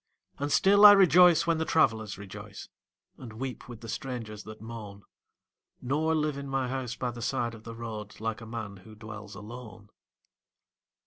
And still I rejoice when the travelers rejoice And weep with the strangers that moan, Nor live in my house by the side of the road Like a man who dwells alone.